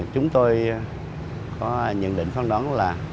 chúng tôi có nhận định phán đoán là